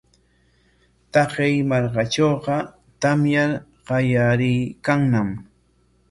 Taqay markatrawqa tamyar qallariykanñam.